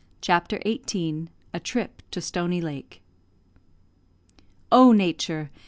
CHAPTER XVIII A TRIP TO STONY LAKE Oh Nature!